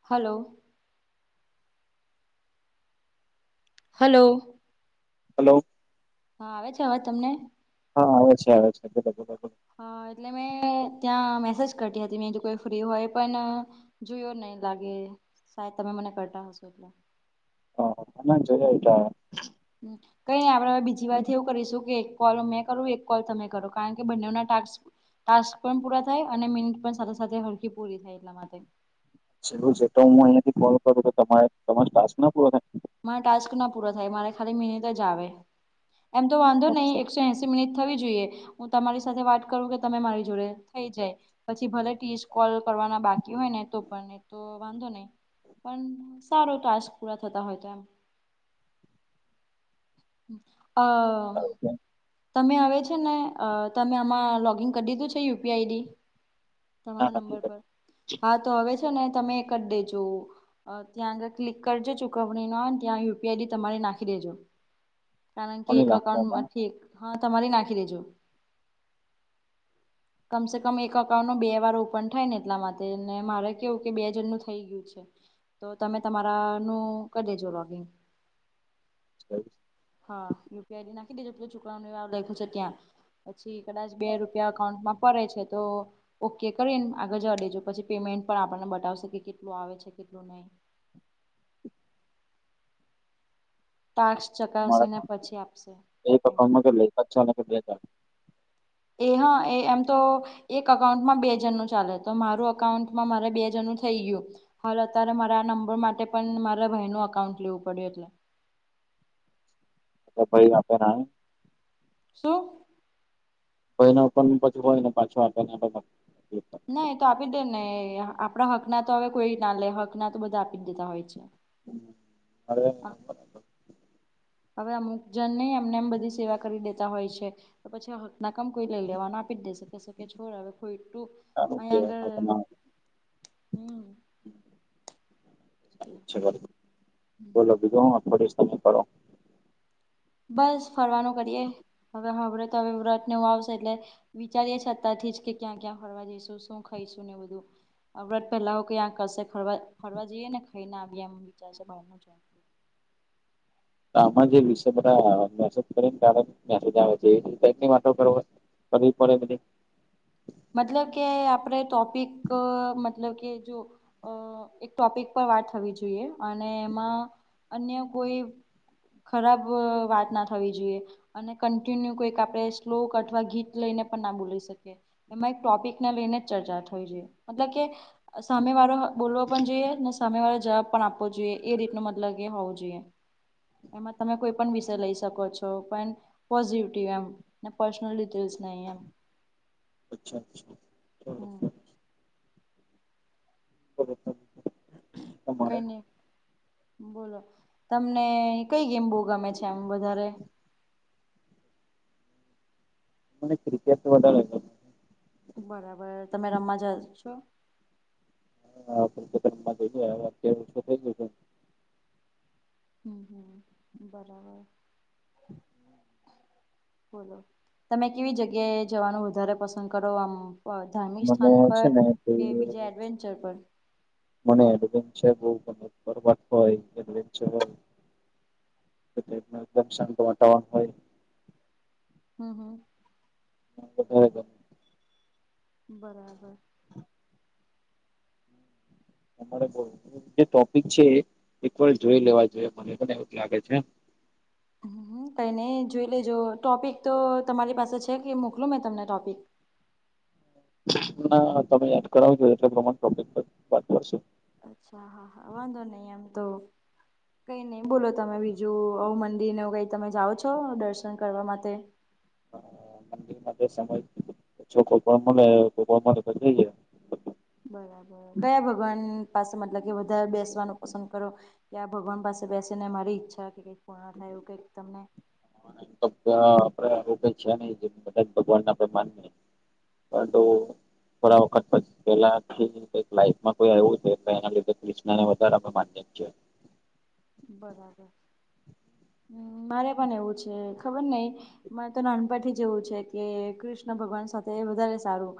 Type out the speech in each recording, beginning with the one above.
હાલો. Hello. Hello. હા, આવે છે અવાજ તમને? હા, આવે છે આવે છે બોલો બોલો તમે. હ એટલે મેં ત્યાં મેસેજ કરતી હતી મે જો કોઈ ફ્રી હોય પણ જોયો નય લાગે સાયદ તમે મને કરટા હશો એટલે. હ અમના જોયો અત્યારે. કયની આપળે અવે બીજી વાર થી એવું કરીશું કે કોલ મેં કરું, એક કોલ તમે કરો કારણ કે બંનેવના ટાસ્ક ટાસ્ક પણ પૂરા થાય અને મિનિટ પણ સાથે સાથે હરકી પૂરી થાય, એટલા માટે. ચેલુ જે તો હુંમ માં અંયાં થી કોલ કરું તો, તમારે તમારો ટાસ્ક ના પૂરો થાય? માર ટાસ્કના પૂરો થાય. મારે ખાલી મિનિટ જ આવે, એમ તો વાંધો નય અચ્છા એકસો એંસી મિનિટ થવી જોઈએ, હું તમારી સાથે વાત કરું કે તમે મારી જોડે થઈ જાય. પછી ભલે ટીસ કોલ કરવાના બાકી હોયને, તો પણ એ તો વાંધો નય. પણ સારું ટાસ્ક પૂરા થતા હોય તો એમ. અ. સારું કેમ? તમે હવે છે ને, તમે આમાં લોગિન કર દીધું છે યુપીઆઈદી ના તમારા નથી નંબર પર, કર્યું. હા તો અવે છે ને તમે કર દેજો. અ ત્યાં આગળ ક્લિક કરજો. ચૂકવણીનો અને ત્યાં યુપીઆઈડી તમારી નાખી દેજો. કારણ કે કોની એક રાખવામાં અકાઉન્ટમાંથી એક, હા તમારી નાખી દેજો. [inaudible] કમસે કમ એક અકાઉન્ટમા બે વાર ઓપન થાયને એટલા માટે, ને મારે કેવું કે બે જનનું થઇ ગયું છે. તો તમે તમારા નું કર દેજો લોગિંગ. [unintelligible] હા, યુપીઆઈડી નાખી દેજો. પેલું ચૂકવણી વાળુ લયખું છે ત્યાં. પછી કદાચ બે રૂપિયા અકાઉન્ટમાં પડે છે તો, ઓકે કરીને આગળ જવા દેજો, પછી પેમેન્ટ પણ આપણને બતાવશે કે કેટલું આવે છે. કેટલું નય. ટાસ ચકાસીને અમારા પછી આપશે પેમેન્ટ. અચ્છા ન બેતા એ હા એ એમ તો એક અકાઉન્ટમાં બે જણનું ચાલે. મારું અકાઉન્ટમાં મારે બે જણનું થઈ ગયું. મારે અત્યારે મારે આ નંબર માટે પણ મારા ભાઈનું અકાઉન્ટ લેવું પડ્યું એટલે. તો ભાઈ આપેના. શું? ભાઈના ઓપન પછી હોયને પાછું આપે. ના એ તો આપી દે ને, આપણા હકના તો હવે કોઈના લે. હકના તો બધા આપી દેતા હોય છે. હળવે. હવે, અમુક જન નહી અમને એમ બધી સેવા કરી દેતા હોય છે. તો પછી હકના કમ કોઈ લઈ લેવાના, આપી જ દેશે. શકે છોડ આવે કોઈ ટું સારું અહીંયા કેવાય હા આગળ તમે હમ. બોલો બીજું હ ફડીમે કરો? બસ ફરવાનું કરીએ. હવે, હબડે તો હવે વ્રતને હું આવશે. એટલે વિચારીએ છતાથી જ કે ક્યાં ક્યાં ફરવા જઈશું, શું ખાઈશુંને બધું વ્રત પહેલા હો ક આ કરશેરવા ફરવા જઈએ ને, ખાઈને આવીએ એમ વિચાર ફૂડ આમાં જે વિષય બધા મેસેજ કરીને, કાર મે આવે છેની વાતો કર કભી પડે બધ. મતલબ કે આપણે ટોપિક મતલબ કે જો અ એક ટોપિક પર વાત થવી જોઈએ અને એમાં અન્ય કોઈ ખરાબ વાત ના થવી જોઈએ. અને કન્ટિન્યુ કોઈક આપણે શ્લોક અથવા ગીત લઈને પણ ના બોલી શકીએ. એમાં એક ટોપિકને લઈને જ ચર્ચા થઈ જોઈએ. મતલબ કે સામે વાળો બોલવો પણ જોઈએ ને સામે વાળો જવાબ પણ આપવો જોઈએ એ રીત ન મતલબ કે હોવો જોઈએ. એમાં તમે કોઈ પણ વિષય લઈ શકો છો પણ પોઝિટીવ એમ. ના પર્સનલ ડિટેલ્સ નઈ એમ. અચ્છા અરછા. હમ. બ [inaudible] કઈ નહી બોલો તમને કઈ ગેમ બોઉં ગમે છે આમ વધારે મને ક્રિકેટ વધારે ગમ બરાબર તમે રમવા જા અવ છો. હા ક્રિકેટ જઈ ગયા અત્યારે ઓછું થઈ ગયું હમ્મ હમ્મ બરાબર. [inaudible] બોલો તમે કેવી જગ્યાએ જવાનું વધારે પસંદ કરો આમ ધાર્મિક મને સ્થાન પર છે ને તે બીજા એડવેન્ચર પર મને એડવેન્ચર બવ ગમે પર્વત હોય એડવેન્ચર હોય એટલે એકદમ શાંત વાતાવરણ હોય હમ હમ. હ [inaudible] બરાબર. તમારે જે ટોપિક છે એ એક વાર જોઈ લેવા જોઈએ મને પણ એવું જ લાગે છે. કઈ નહી જોઈ લેજો ટોપિક તો તમારી પાસે છે કે મોકલું મેં તમને ટોપિક. તમે યાદ કરાવજો એટલે પ્રમાણે ટોપિક પર વાત કરશો. અચ્છા હા હા વાંધો નહી આમ તો. કઈ નહી બોલો તમે બીજું આવું મંદિરને એવું કઈ તમે જાઓ છો દર્શન કરવા માટે. મંદિર માં જે સમય જો કોઈ પણ મળે તો [unintelligible] જઈએ બરાબર કયા ભગવાન પાસે મતલબ કે વધારે બેસવાનું પસંદ કરો કે આ ભગવાન પાસે બેસે ને મારી ઈચ્છા કે કઈક પુર્ણા થાય એવું કંઈક તમને તો આપડે આવું કઈ છે નહી જે બધા ભગવાનને આપે માનીએ પણ તો થોડા વખત પછ પેલાથી કંઈક લાઈફમાં કોઈ આવવું હતું તો એના લીધે ક્રિષ્નાને વધારે અમે માનીએ છીએ બરાબર હમ્મ મારે પણ એવું છે ખબર નહી મારેતો નાનપણથી જ એવું છે કે કૃષ્ણ ભગવાન સાથે વધારે સારું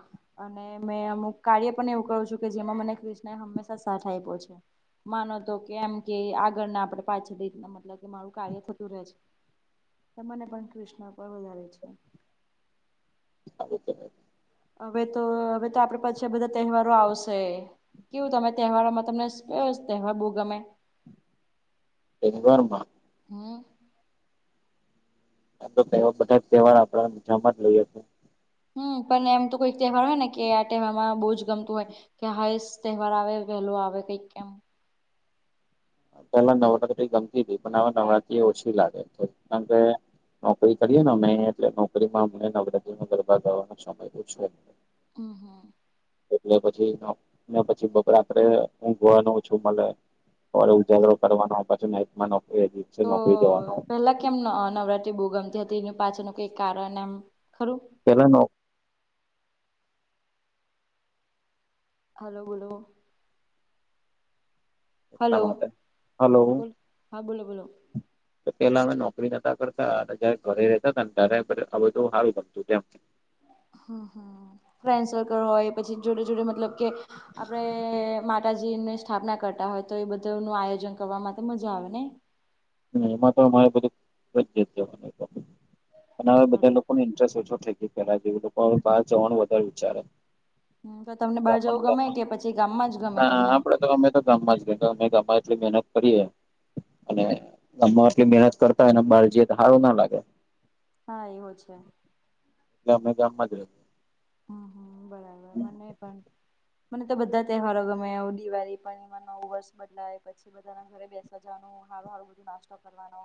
અને મેં અમુક કાર્ય પણ એવું કરું છું કે જેમાં મને ક્રષ્ણ એ હંમેશા સાથ આઇપો છે. માનો તો કે એમ કે આગળને આપડે પાછળીના મતલબ કે મારું કાર્ય થતું રહે છે. તમને પણ કૃષ્ણ પર વધારે છે. [inaudible] હવે તો હવે તો આપડે પાછે આ બધા તહેવારો આવશે કેવું તમે તહેવારોમાં તમને કયો તહેવાર બહુ ગમે તેહવારમાં હમ્મ આપડો થેવર બધા તહેવાર આપણે મજામાં જ લઈએ છીએ હમ્મ પણ એમ તો કોઈ તહેવાર હોય ને કે આ તહેવારમા બહુ જ ગમતું હોય કે હાઈજ તહેવાર આવે વહેલું આવે કઈક કેમ પહેલા નવરાત્રી ગમતી હતી પણ હવે નવરાત્રી એ ઓછી લાગે કારણ કે નોકરી કરીએ ને અમે એટલે નોકરીમાં અમને નવરાત્રીનો ગરબા કરવાનો સમય ઓછો. હમ્મ, હમ્મ. એટલે પછી ને પછી બપોરે આપડે ઊંઘવાનું ઓછું મલે. સવારે ઉજાગરો કરવાનો પછી નાઇટમાં નોકરી અજીબ તો સી નોકરી જવાનો. પેલા કેમ અહ નવરાત્રી બહુ ગમતી હતી એનું પાછળનું કઈક કારણ એમ ખરું. પેલા નો હલો, બોલો. એટલા હલો માટે હલો બોલ હા બોલો બોલો. તો પેલા અમે નોકરી નતા કરતા અને જયારે ઘરે રેતાતા ત્યારે આ બધું હારૂ ગમતું હતું એમ. હા, હા ફ્રેન્ડ સર્કલ હોય પછી જોડે જોડે મતલબ કે આપડે માતા જીને સ્થાપના કરતા હોય તો એ બધુંનું આયોજન કરવા માં તો મજા આવે નહીં? ને એમાં તો અમારે બધું [unintelligible] અને હમ હવે બધા બરાબર લોકોને ઇન્ટરેસ્ટ ઓછો થઈ ગયો પેલા જે લોકો હવે બહાર જવાનું વધારે વિચારે. તો તમને બહાર ગામમાં જવું ગમે ગામમાં કે પછી ગામમાં જ ગમે ના તમને? આપડે તો અમે તો ગામમાં જ અમે ગામમાં એટલી મહેનત કરીએ અને ગામમાં આટલી મહેનત કરતા હોય ને બહાર જઈએ તો હારું ના લાગે. હા, એવો છે. એટલે અમે ગામમાં જ રહે. હમ હમ બરાબર મને પણ મને તો બધા તહેવારો ગમે દિવાળી પણમાં નવું વર્ષ બદલાય પછી બધા ના ઘરે બેસજવાનું હારું હારું બધું નાસ્તો કરવાનો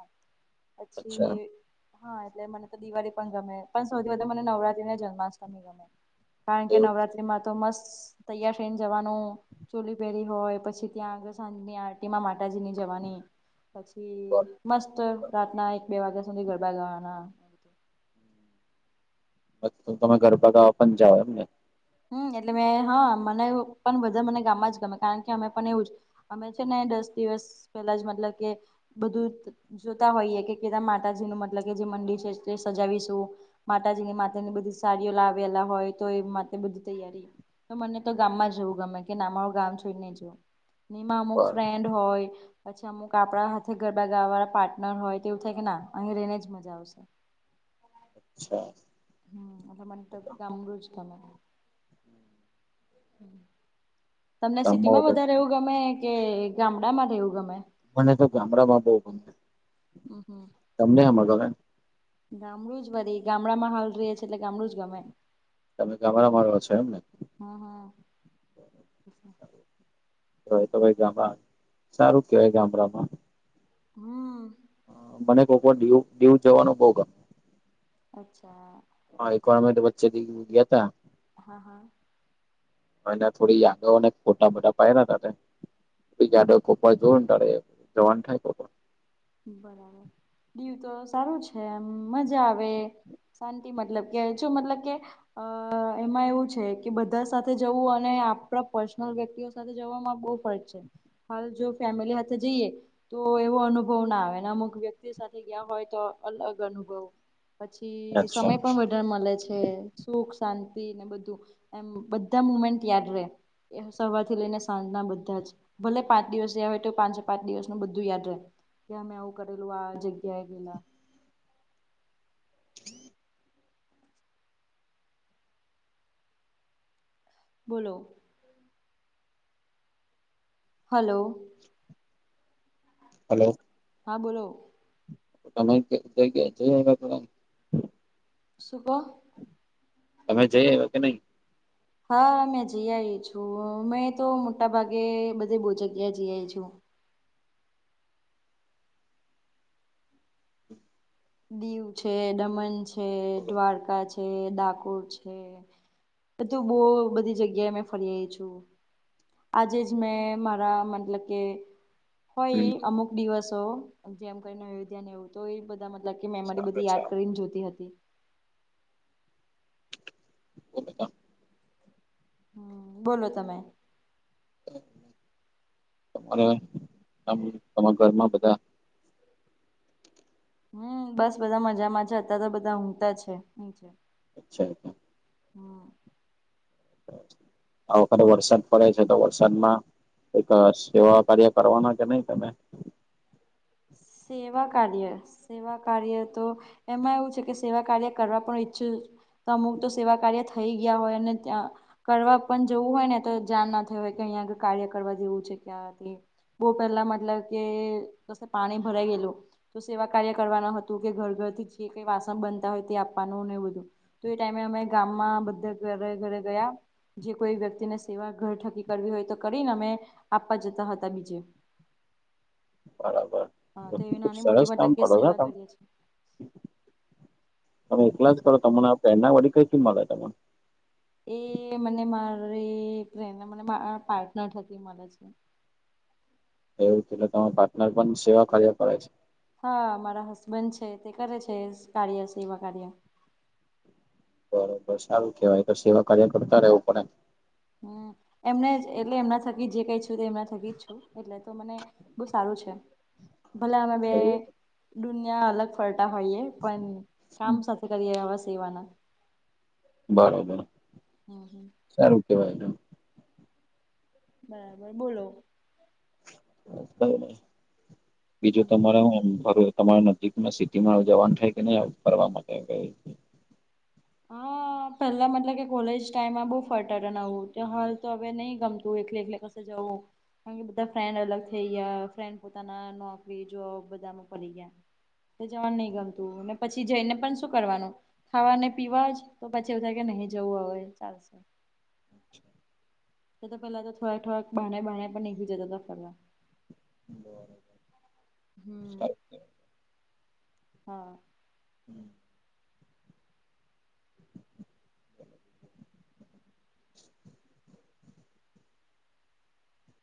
પછી અચ્છા હા, એટલે મને તો દિવાળી પણ ગમે પણ સૌથી વધુ મને નવરાત્રી ને જન્માષ્ટમી ગમે. કારણ કે એવું છે. નવરાત્રીમાં તો મસ્ત તૈયાર થઈને જવાનું. ચોલી પહેરી હોય પછી ત્યાં આગળ સાંજની આરટી માં માતાજીની જવાની પછી મસ્ત રાતના એક બે વાગ્યા સુધી ગરબા ગાવાના. અતો તમે ગરબા ગાવા પણ જાઓ એમને? હમ્મ, એટલે મેં હા મને પણ બધા મને ગામમાં જ ગમે કારણ કે અમે પણ એવું જ અમે છે ને દસ દિવસ પેલા જ મતલબ કે બધું જોતા હોઈએ કે માતાજી ન મતલબ કે જે મંદિર છે તે સજાવીશું માતાજીની માતા ની બધી સાડીઓ લાવેલા હોય તો એ માં બધું તૈયારી તો મને તો ગામમાં જ રેવું ગમે કે ના મારુ ગામ છોડીને જઉં. નીમાં અમુક બરોબર. ફ્રેન્ડ હોય પછી અમુક આપડા હાથે ગરબા ગાવા વાળા પાર્ટનર હોય તેવું થાય કે ના અહીં રહીને જ મજા આવશે. અચ્છા. હમ્મ એટલે મને તો ગામરું જ ગમે. હમ્મ. તમને સિટી માં વધારે રહેવું ગમે કે ગામડામાં રહેવું ગમે? મનેતો ગામડા માં બહુ ગમે. હમ્મ, હમ્મ. તમને હેમા ગમે? ગામડું જ વરી ગામડામાં હાલ રહિયે છે એટલે ગામડું જ ગમે. તમે ગામરા રહો છો એમ ને? હા હા હ હા. રહેતો ભાઈ ગામડા સારું કેવાય ગામડામાં. હમ્મ. મને કોકવાવું [unintelligible] જવાનું બોવગમે અચ્છા હ એકવાણ અમેતો વચ્ચેથી ગીયાતા હા હા અને થોડી યાદો અને ફોટા બધા પાડ્યા તા તે [inaudible] જવાન થાય તો પણ. બરાબર દીવ તો સારું છે એમ મજા આવે. શાંતિ મતલબ કે છું મતલબ કે અહ એમાં એવું છે કે બધા સાથે જવું અને આપણા પર્સનલ વ્યક્તિઓ [inaudible] બ ફરજ છે હાલ જો ફેમિલી સાથે જઈએ તો એવો અનુ અનુભવ ના આવે અમુક વ્યક્તિ સાથે ગયા હોય તો અલગ અનુભવ પછી અચ્છા સમય પણ વધ મળે છે સુખ શાંતિ ને બધું એમ બધા મુમેન્ટ યાદ રે એ સવારથી લઈને સાંજના બધા જ ભલે પાંચ દિવસ જયા હોય તો પાંચે પાંચ દિવસનું બધું યાદ રહે કેં અમે આવું કરેલું આ જગ્યાએ ગેલા બોલો હલો હલો હા બોલો તમે [inaudible] શુકહો તમે જઈ આયવા કે નહી હા મે જઈ આવીઈ છું મે તો મોટા ભાગે બધે બહુ જગ્યાએ જઈ આવીઈ છું દીવ છે દમણ છે દ્વારકા છે. ડાકોર છે બધું બહ બધી જગ્યા એ મે ફરી આવીઈ છું. આજે જ મેં મારા મતલબ કે હોય હમ અમુક દિવસો જેમ કરીને અયોધ્યાને એવું તો એ બધા મતલબ કે મેમરી ચાલે બધી યાદ ચાલે કરીને જોતી હતી. બમેતા [inaudible] બોલો તમે અરહન તમારા ઘરમાં બધા હમ બસ બધા મજામાં જ છે. અત્યારે તો બધા ઊંઘતા છે. [inaudible] [inaudible] આ વખતે વરસાદ પડે છે. તો વરસાદમાં એક સેવા કાર્ય કરવાના કે નહીં તમે? સેવા કાર્ય. સેવા કાર્ય તો એમાં એવું છે, કે સેવા કાર્ય કરવા પણ ઇચ્છું છું. તો અમુક તો સેવા કાર્ય થઈ ગયા હોય, અને ત્યાં કરવા પણ જવું હોય ને તો જણ ના થવે હોય, કે અહીંયા આ કાર્ય કરવા જેવું છે. ક્યાંથી બહુ પહેલા મતલબ કે કસે પાણી ભરાઈ ગયેલું. તો સેવા કાર્ય કરવાનું હતું, કે ઘરથી જે કઈ વાસણ બનતા હોય તે આપવાનું નને એવું બધું. તો એ ટાઈમે અમે ગામમાં બધા ઘરે ઘરે ગયા. જે કોઈ વ્યક્તિને સેવા ઘરઠકી કરવી હોય અમે આપવા જતા હતા બીજે. બરાબર હા તો એવી ખૂબ નાની મોટી સરસ કામ મતલબ કે કરો છો સેવા તમે. કરીએ છીએ તમે એકલા જ કરો તમને આ પેંડા વધિક કંઈથી મળે તમને એ મને મારી ફ્રેન્ડ, મારે પાર્ટનર થકી મળે છે. એવું છે. એટલે તમાર પાર્ટનર પણ સેવા કર્યા કરે છે. હા મારા હસબન્ડ છે, તે કરે છે કાર્ય સેવા કાર્ય. બરાબર સારું કેવાય, તો સેવા કાર્ય કરતા રહેવું પડે. હમ્મ. એમને જ એટલે એમના થકી જે કઈ છું એમના થકી જ છું. એટલે તો મને બો સારું છે. ભલે અમે બે પડે દુનિયા અલગ ફરટા હોઈએ પણ કામ સાથે કરીએ, આવા સેવાના. બરાબર. હમ્મ. સારું કેવાય. બરાબર બોલો. બસ કઈની, હમ બીજું તમારા હું [unintelligible] તમારા નજીકમાં સિટીમાં જવાનું થાય કે નને ફરવા માટે કઈ? હા. પેલા મતલબ કે કોલેજ ટાઈમમાં બહુ ફરતા ને અવે હાલ તો હવે નહીં ગમતું એકલે એકલે કશે જવું. કારણકે બધા ફ્રેન્ડ અલગ થઈ ગયા. ફ્રેન્ડ પોતાના નોકરી, જોબ બધામાં પડી ગયા. તે જવાનું નહીં ગમતું, ને પછી જઈને પણ શું કરવાનું ખાવાને પીવા જ તો પછી એવું થાય કે નહી જવું હવે, ચાલશે. [inaudible] એ તો પેલા તો થોડાક થોડા [unintelligible] પણ નીકળી જતા હતા ફરવા. બરાબર. હમ્મ. [inaudible] હા.